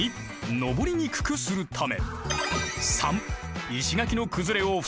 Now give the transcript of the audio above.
登りにくくするため。